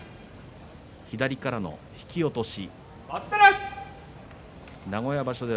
左からの引き落とし。